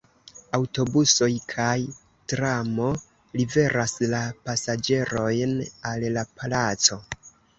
Aŭtobusoj kaj tramo liveras la pasaĝerojn al la placo.